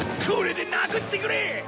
これで殴ってくれ！